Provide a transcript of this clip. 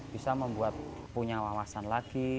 bisa membuat punya wawasan lagi